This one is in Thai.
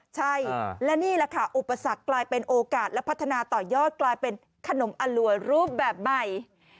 ใช่และนี่แหละค่ะอุปสรรคกลายเป็นโอกาสและพัฒนาต่อยอดกลายเป็นขนมอร่วยรูปแบบใหม่